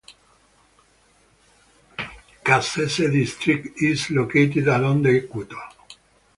Kasese District is located along the equator.